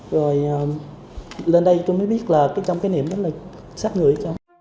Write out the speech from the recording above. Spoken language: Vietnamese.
rồi lên đây tôi mới biết là trong cái niềm đó là sát người